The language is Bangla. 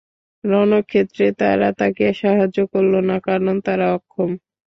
রণক্ষেত্রে তারা তাকে সাহায্য করল না, কারণ তারা অক্ষম।